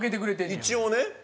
一応ね。